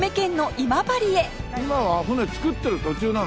今は船造ってる途中なの？